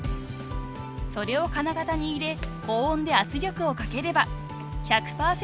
［それを金型に入れ高温で圧力をかければ１００％